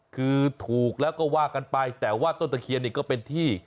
คือถูกแล้วก็ว่ากันไปแต่ว่าต้นตะเคียนนี่ก็เป็นที่